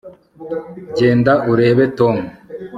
genda urebe tom